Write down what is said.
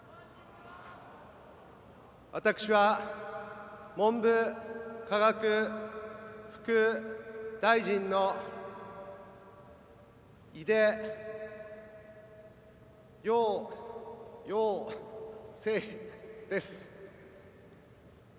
私は文部科学副大臣の井出庸生です。